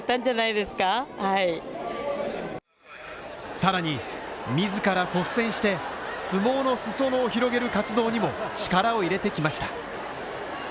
さらに、自ら率先して相撲の裾野を広げる活動にも力を入れてきました。